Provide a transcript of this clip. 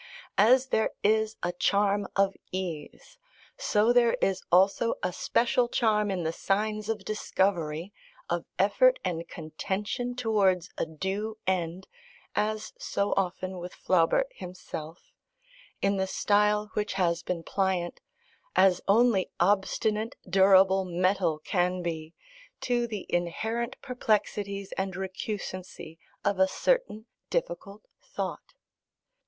As there is a charm of ease, so there is also a special charm in the signs of discovery, of effort and contention towards a due end, as so often with Flaubert himself in the style which has been pliant, as only obstinate, durable metal can be, to the inherent perplexities and recusancy of a certain difficult thought.